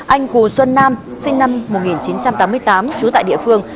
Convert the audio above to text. anh cù xuân nam sinh năm một nghìn chín trăm tám mươi tám trú tại địa phương